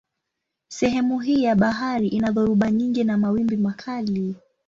Sehemu hii ya bahari ina dhoruba nyingi na mawimbi makali.